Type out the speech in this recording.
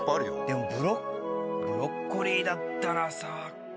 でもブロッコリーだったらさ。